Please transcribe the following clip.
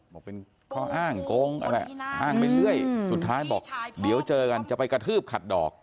บอกเป็นข้ออ้างโกงอะไรอ้างไปเรื่อยสุดท้ายบอกเดี๋ยวเจอกันจะไปกระทืบขัดดอก